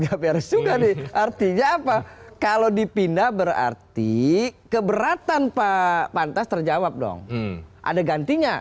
hp resim dari artinya apa kalau dipindah berarti keberatan pak pantas terjawab dong ada gantinya